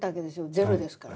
ゼロですから。